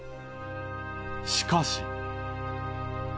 しかし。